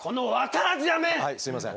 はいすいません。